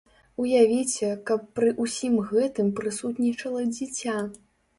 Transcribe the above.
Уявіце, каб пры ўсім гэтым прысутнічала дзіця!